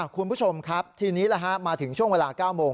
คุณผู้ชมครับทีนี้มาถึงช่วงเวลา๙โมง